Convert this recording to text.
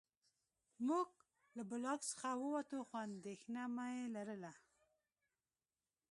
موږ له بلاک څخه ووتو خو اندېښنه مې لرله